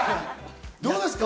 どうですか？